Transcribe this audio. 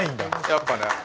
やっぱね。